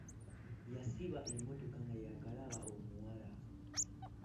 Yasiba emmotoka nga yaakalaba omuwala.